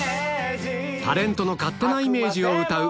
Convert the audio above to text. タレントの勝手なイメージを歌う